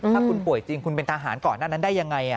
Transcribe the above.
ถ้าคุณป่วยจริงคุณเป็นทหารก่อนหน้านั้นได้ยังไง